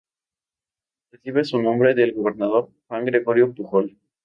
Recibe su nombre del gobernador Juan Gregorio Pujol.